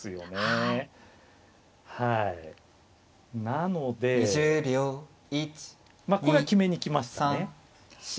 なのでまあこれは決めに行きましたね。